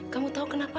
kamu tahu kenapa